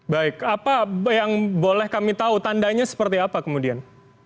baik apa yang boleh kami tahu tandanya seperti apa kemudian